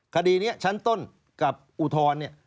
คดีนี้ชั้นต้นกับอุทร